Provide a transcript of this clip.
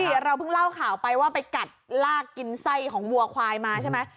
เราเพิ่งเล่าข่าวไปว่าไปกัดลากกินไส้ของวัวควายมาใช่ไหม